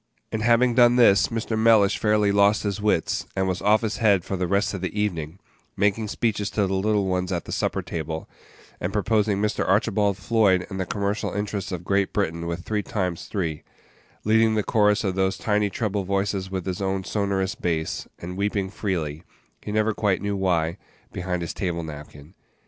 And having done this, Mr. Mellish fairly lost his wits, and was "off his head" for the rest of the evening, making speeches to the little ones at the supper table, and proposing Mr. Archibald Floyd and the commercial interests of Great Britain with three times three; leading the chorus of those tiny treble voices with his own sonorous bass, and weeping freely he never quite knew why behind his table napkin.